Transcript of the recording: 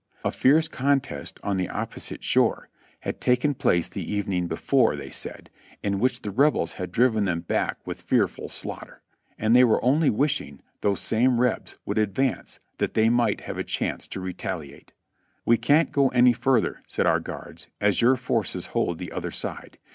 A fierce contest on the opposite shore had taken place the evening before, they said, in which the Rebels had driven them back with fearful slaughter; and they were only wishing those same Rebs would advance that they might have a chance to retaliate. "We can't go any farther," said our guards, "as your forces hold the other side.